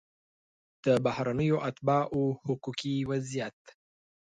د بهرنیو اتباعو حقوقي وضعیت